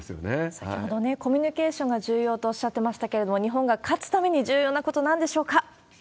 先ほどね、コミュニケーションが重要とおっしゃってましたけれども、日本が勝つために重要なこと、なんでしょうか？